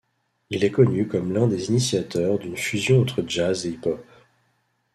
Il est connu comme l'un des initiateurs d'une fusion entre jazz et hip-hop.